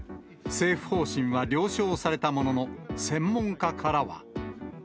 政府方針は了承されたものの、専門家からは。